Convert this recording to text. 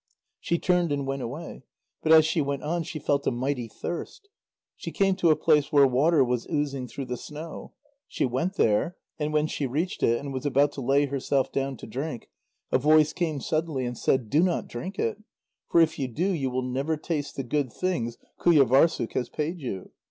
She turned and went away. But as she went on, she felt a mighty thirst. She came to a place where water was oozing through the snow. She went there, and when she reached it, and was about to lay herself down to drink, a voice came suddenly and said: "Do not drink it; for if you do, you will never taste the good things Qujâvârssuk has paid you."